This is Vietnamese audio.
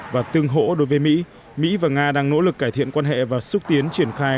và tương hỗ đối với mỹ mỹ và nga đang nỗ lực cải thiện quan hệ và xúc tiến triển khai